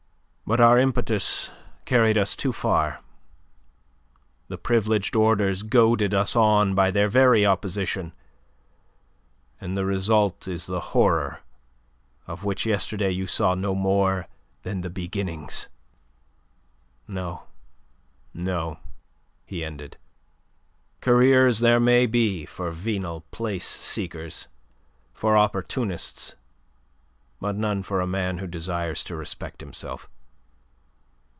But our impetus carried us too far, the privileged orders goaded us on by their very opposition, and the result is the horror of which yesterday you saw no more than the beginnings. No, no," he ended. "Careers there may be for venal place seekers, for opportunists; but none for a man who desires to respect himself.